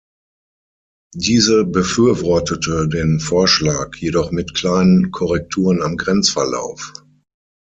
Diese befürwortete den Vorschlag, jedoch mit kleinen Korrekturen am Grenzverlauf.